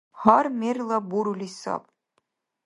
Гьар мерлаб бурули саб.